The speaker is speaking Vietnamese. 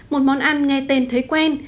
một món ăn nghe tên thấy quen